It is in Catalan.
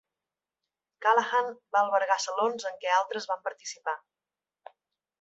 Callahan va albergar salons en què altres van participar.